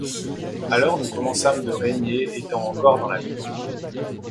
Alors nous commençâmes de régner étant encore dans la minorité.